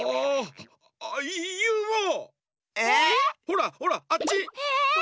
ほらほらあっち！